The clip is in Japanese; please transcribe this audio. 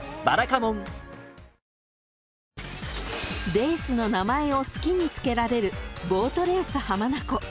［レースの名前を好きに付けられるボートレース浜名湖］